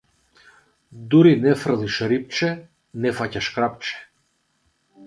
Дури не фрлиш рипче, не фаќаш крапче.